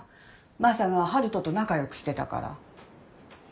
マサが陽斗と仲よくしてたから。